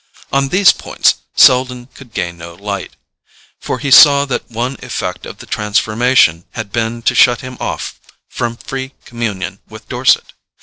On these points Selden could gain no light; for he saw that one effect of the transformation had been to shut him off from free communion with Dorset.